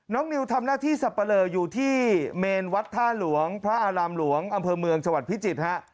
นิวทำหน้าที่สับปะเลออยู่ที่เมนวัดท่าหลวงพระอารามหลวงอำเภอเมืองจังหวัดพิจิตรฮะ